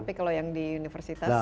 tapi kalau yang di universitas